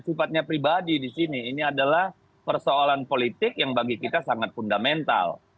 sifatnya pribadi di sini ini adalah persoalan politik yang bagi kita sangat fundamental